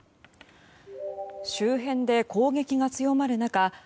周辺で攻撃が強まる中